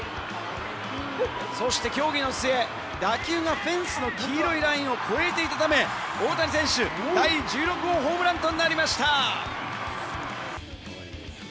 そして協議の末、打球がフェンスの黄色いラインを超えているため大谷選手、第１６号ホームランとなりました。